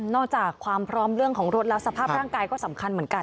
จากความพร้อมเรื่องของรถแล้วสภาพร่างกายก็สำคัญเหมือนกัน